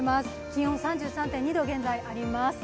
気温３３．２度、現在あります。